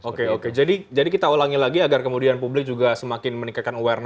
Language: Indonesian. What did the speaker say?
oke oke jadi kita ulangi lagi agar kemudian publik juga semakin meningkatkan awareness